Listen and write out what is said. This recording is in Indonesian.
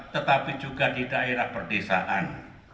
tetapi juga di daerah perdesaan